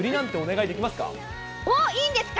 いいんですか？